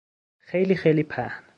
خیلی خیلی پهن